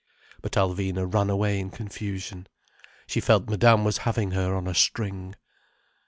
But Alvina ran away in confusion. She felt Madame was having her on a string.